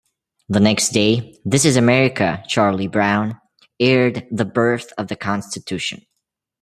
The next day, "This is America, Charlie Brown" aired "The Birth of the Constitution".